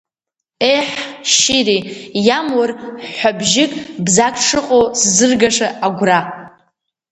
Еҳ, шьири, иамур, ҳәҳәабжьык, бзак дшыҟоу сзыргаша агәра.